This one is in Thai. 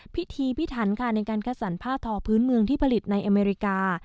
พิธีพิถันค่ะในการคัดสรรผ้าทอพื้นเมืองที่ผลิตในอเมริกา